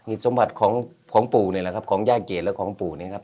สมบัติของปู่นี่แหละครับของย่าเกรดและของปู่เนี่ยครับ